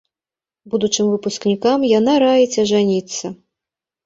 Будучым выпускніцам яна раіць ажаніцца.